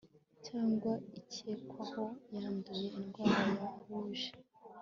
cyangwa ikekwako yanduye indwara ya ruje